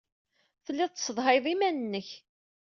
Telliḍ tessedhayeḍ iman-nnek.